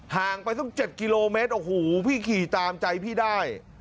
ห่างไปสัก๗กิโลเมตรโอ้โหพี่ขี่ตามใจพี่ได้